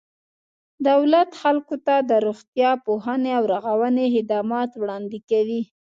دولت خلکو ته د روغتیا، پوهنې او رغونې خدمات وړاندې کوي.